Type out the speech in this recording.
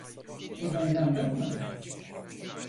Buna inandın mı?